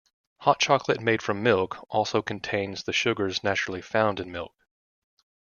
Hot chocolate made from milk also contains the sugars naturally found in milk.